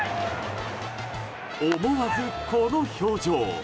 思わず、この表情。